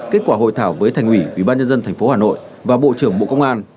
kết quả hội thảo với thành ủy ubnd tp hà nội và bộ trưởng bộ công an